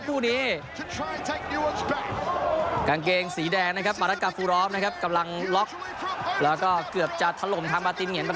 กลางเกงสีแดงนะครับมารัดกาฟุรอล์ฟนะครับกำลังล็อคแล้วก็เกือบจะทะลมทางมาตินเหงียน